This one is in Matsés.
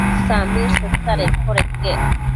Samëdsho isadenquioda iquec